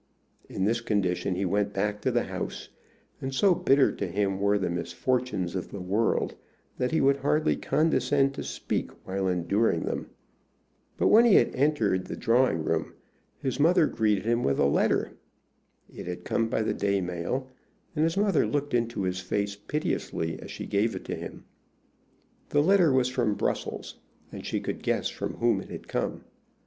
In this condition he went back to the house, and so bitter to him were the misfortunes of the world that he would hardly condescend to speak while enduring them. But when he had entered the drawing room his mother greeted him with a letter. It had come by the day mail, and his mother looked into his face piteously as she gave it to him. The letter was from Brussels, and she could guess from whom it had come.